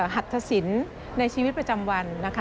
หัดศสินในชีวิตประจำวัน